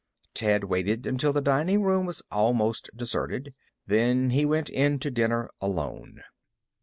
Ted waited until the dining room was almost deserted. Then he went in to dinner alone.